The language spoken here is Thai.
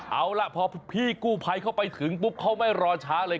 เอาล่ะพอพี่กู้ภัยเข้าไปถึงปุ๊บเขาไม่รอช้าเลย